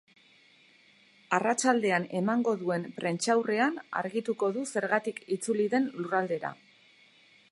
Arratsaldean emango duen prentsaurrean argituko du zergatik itzuli den lurraldera.